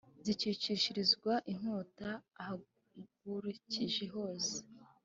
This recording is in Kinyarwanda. kizicishirizwa inkota ahagukikije hose